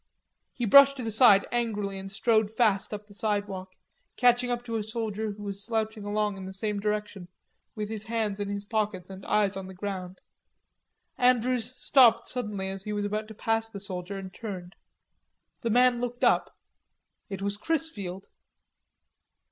He brushed it aside angrily and strode fast up the sidewalk, catching up to a soldier who was slouching along in the same direction, with his hands in his pockets and eyes on the ground. Andrews stopped suddenly as he was about to pass the soldier and turned. The man looked up. It was Chrisfield.